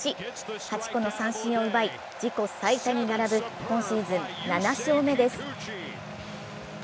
８個の三振を奪い、自己最多に並ぶ今シーズン７勝目です。